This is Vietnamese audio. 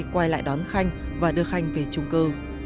quay lại đón khanh và đưa khanh về trung cư